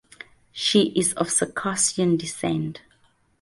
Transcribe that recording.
She is of Circassian descent.